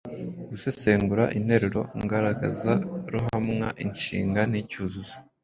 Gusesengura interuro ngaragaza ruhamwa, inshinga n’icyuzuzo.